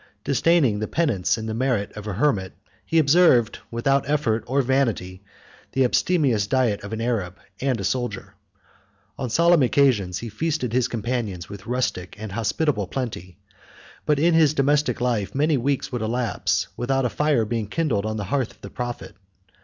Disdaining the penance and merit of a hermit, he observed, without effort or vanity, the abstemious diet of an Arab and a soldier. On solemn occasions he feasted his companions with rustic and hospitable plenty; but in his domestic life, many weeks would elapse without a fire being kindled on the hearth of the prophet.